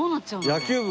野球部？